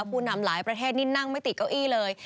ผู้นำหลายประเทศนี่นั่งไม่ติดเก้าอี้เลย